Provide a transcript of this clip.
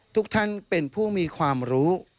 ทุกท่านเป็นผู้มีความรู้